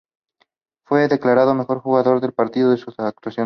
Fue declarado mejor jugador del partido por su actuación.